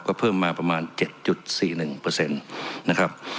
ก็เพิ่มมาประมาณ๗๔๑นะครับ